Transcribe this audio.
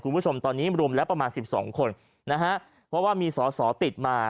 คุณผู้ชมตอนนี้รวมแล้วประมาณสิบสองคนนะฮะเพราะว่ามีสอสอติดมา